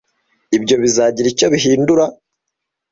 Ibyo bizagira icyo bihindura?